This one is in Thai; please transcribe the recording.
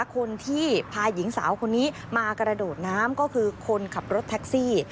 คนที่พาหญิงสาวคนนี้มากระโดดน้ำก็คือคนขับรถแท็กซี่